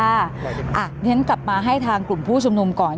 เพราะฉะนั้นกลับมาให้ทางกลุ่มผู้ชุมนุมก่อน